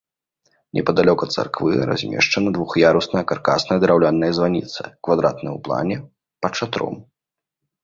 Непадалёк ад царквы размешчана двух'ярусная каркасная драўляная званіца, квадратная ў плане, пад шатром.